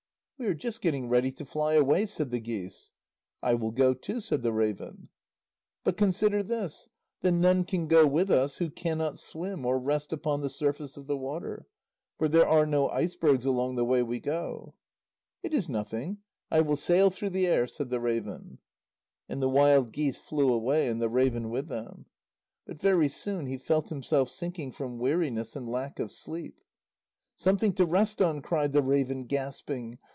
"We are just getting ready to fly away," said the geese. "I will go too," said the raven. "But consider this: that none can go with us who cannot swim or rest upon the surface of the water. For there are no icebergs along the way we go." "It is nothing; I will sail through the air," said the raven. And the wild geese flew away, and the raven with them. But very soon he felt himself sinking from weariness and lack of sleep. "Something to rest on!" cried the raven, gasping.